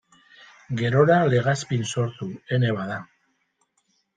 Gerora Legazpin sortu Ene Bada!